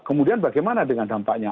kemudian bagaimana dengan dampaknya